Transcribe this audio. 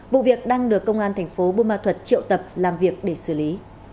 vụ việc đang được công an thành phố bùa ma thuật triệu tập làm việc để xử lý